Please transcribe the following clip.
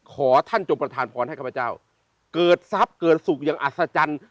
ขอท่านจงประธานพรให้ข้าพเจ้าเกิดทรัพย์เกิดสุขอย่างอัศจรรย์